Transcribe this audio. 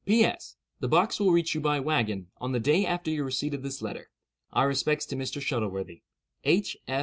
"P.S.—The box will reach you by wagon, on the day after your receipt of this letter. Our respects to Mr. Shuttleworthy. "H.